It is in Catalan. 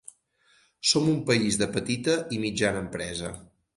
Som un país de petita i mitjana empresa.